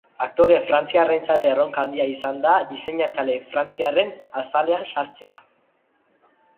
Aktore frantziarrarentzat erronka handia izan da diseinatzaile frantziarraren azalean sartzea.